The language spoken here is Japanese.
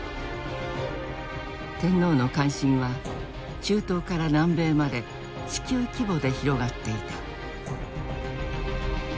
天皇の関心は中東から南米まで地球規模で広がっていた。